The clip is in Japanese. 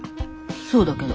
そうだけど。